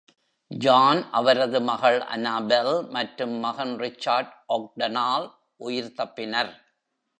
John அவரது மகள் Annabel மற்றும் மகன் ரிச்சர்ட் ஓக்டனால் உயிர் தப்பினர்.